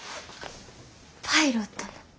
パイロットの。